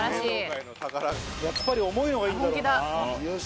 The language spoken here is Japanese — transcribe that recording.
やっぱり重いのがいいんだろよし！